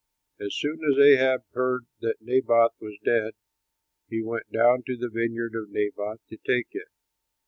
As soon as Ahab heard that Naboth was dead, he went down to the vineyard of Naboth to take it.